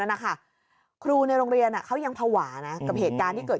นะคะครูในโรงเรียนเขายังภาวะนะกับเหตุการณ์ที่เกิด